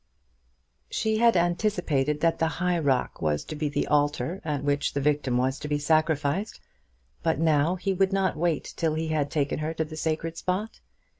She had anticipated that the high rock was to be the altar at which the victim was to be sacrificed; but now he would not wait till he had taken her to the sacred spot.